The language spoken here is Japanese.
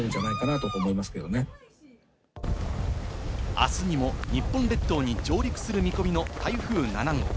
あすにも日本列島に上陸する見込みの台風７号。